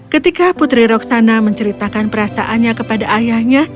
ketika putri roksana menceritakan perasaannya kepada ayahnya